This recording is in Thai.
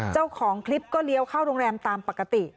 เจ้าของคลิปก็เลี้ยวเข้าโรงแรมตามปกติ